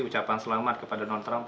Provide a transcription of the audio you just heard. ucapan selamat kepada donald trump